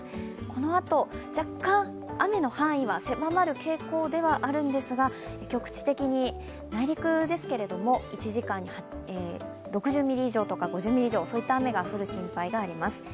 このあと、若干雨の範囲は狭まる傾向ではあるんですが、局地的に内陸ですけれども１時間に６０ミリ以上とか５０ミリ以上の雨が降る心配があります。